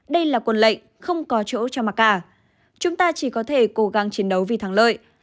đây là quân lệnh không có chỗ cho mà cả chúng ta chỉ có thể cố gắng chiến đấu vì thắng lợi